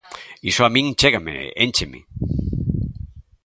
Iso a min chégame, éncheme.